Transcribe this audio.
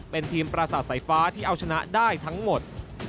เป็นทีมประสาทสายฟ้าที่เอาชนะได้ทั้งหมด